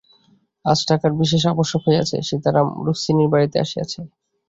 আজ টাকার বিশেষ আবশ্যক হইয়াছে, সীতারাম রুক্মিণীর বাড়িতে আসিয়াছে।